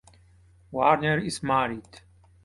Warner is married.